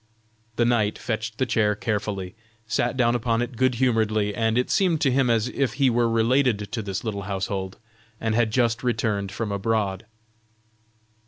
The knight fetched the chair carefully, sat down upon it good humoredly, and it seemed to him as if he were related to this little household, and had just returned from abroad.